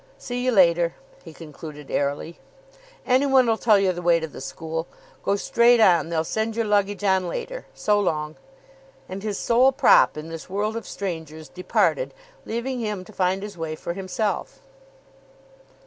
See you later," he concluded airily. "Any one'll tell you the way to the school. Go straight on. They'll send your luggage on later. So long." And his sole prop in this world of strangers departed, leaving him to find his way for himself.